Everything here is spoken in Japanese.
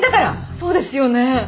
そうですよね！